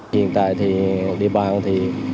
hiện tại thì địa bàn thì